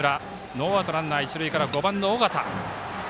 ノーアウト、ランナー、一塁から５番の尾形。